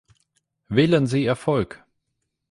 Wählen Sie Ihr Volk!